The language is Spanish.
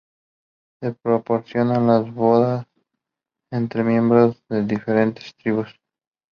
Se propiciaban las bodas entres miembros de diferentes tribus.